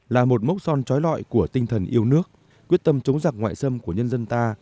là một mốc son trói lọi của tinh thần yêu nước quyết tâm chống giặc ngoại xâm của nhân dân ta